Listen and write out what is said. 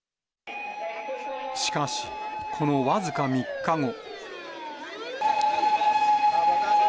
しかし、この僅か３日後。